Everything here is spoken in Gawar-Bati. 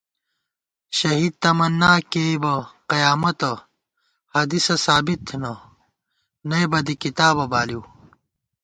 شہید تمنا کېئیبہ قیامَتہ ، حدیثہ ثابت تھنہ نئیبہ دی کِتابہ بالِؤ